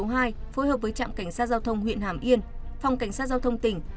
phối hợp với trạm cảnh sát giao thông huyện hàm yên phòng cảnh sát giao thông tỉnh